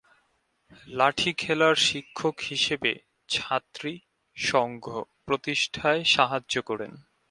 লাঠি খেলার শিক্ষক হিসেবে "ছাত্রী সংঘ" প্রতিষ্ঠায় সাহায্য করেন।